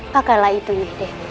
pakailah itu nyai dek